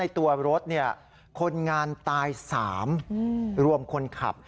ตัวรถคนงานตาย๓รวมคนขับ